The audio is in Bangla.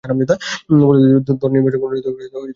ফলশ্রুতিতে, দল নির্বাচকমণ্ডলী কর্তৃক উপেক্ষিত হন।